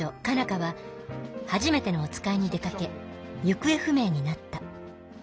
花ははじめてのおつかいに出かけ行方不明になった。